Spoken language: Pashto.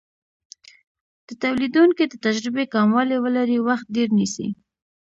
که تولیدونکی د تجربې کموالی ولري وخت ډیر نیسي.